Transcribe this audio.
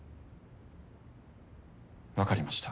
わかりました。